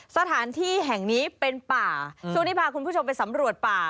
สถานที่แห่งนี้เป็นป่าช่วงนี้พาคุณผู้ชมไปสำรวจป่า